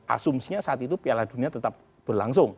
asumsinya saat itu piala dunia tetap berlangsung